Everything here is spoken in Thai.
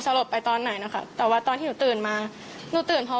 ลบไปตอนไหนนะคะแต่ว่าตอนที่หนูตื่นมาหนูตื่นพอ